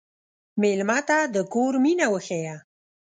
مېلمه ته د کور مینه وښیه.